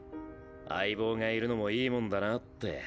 相棒がいるのもいいもんだなって。